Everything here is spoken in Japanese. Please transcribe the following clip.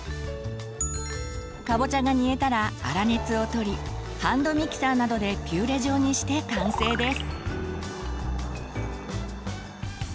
かぼちゃが煮えたら粗熱をとりハンドミキサーなどでピューレ状にして完成です。